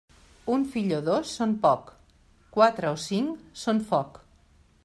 Un fill o dos són poc; quatre o cinc són foc.